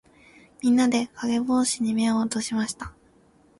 みんなで、かげぼうしに目を落としました。